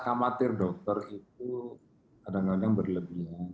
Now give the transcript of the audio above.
khawatir dokter itu kadang kadang berlebihan